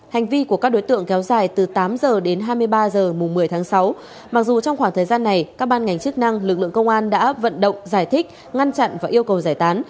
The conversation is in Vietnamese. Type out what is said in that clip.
hành vi của các đối tượng kéo dài từ tám h đến hai mươi ba h mùng một mươi tháng sáu mặc dù trong khoảng thời gian này các ban ngành chức năng lực lượng công an đã vận động giải thích ngăn chặn và yêu cầu giải tán